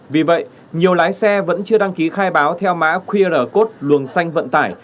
vì vậy nhiều lái xe vẫn chưa đăng ký khai báo theo mã qr code luồng xanh vận tải